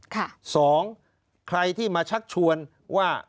สองใครที่มาชักชวนว่า